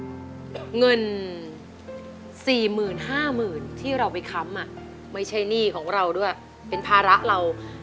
คุณแม่เงินสี่หมื่นห้าหมื่นที่เราไปค้ำอ่ะไม่ใช่หนี้ของเราด้วยเป็นภาระเรา